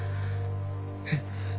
えっ？